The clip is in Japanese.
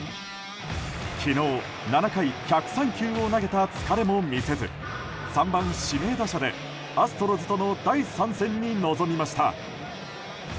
昨日、７回１０３球を投げた疲れも見せず３番指名打者でアストロズとの第３戦に臨みました。